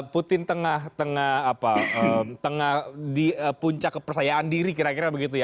putin tengah tengah di puncak kepercayaan diri kira kira begitu ya